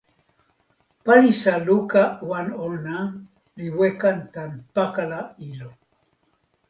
palisa luka wan ona li weka tan pakala ilo.